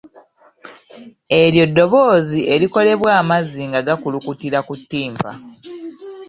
Eryo ddoboozi erikolebwa amazzi nga gakulukutira ku ttimpa.